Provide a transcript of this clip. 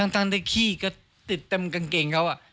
ทั้งได้ขี้ก็ติดเต็มกางเกงเค้าอ่ะ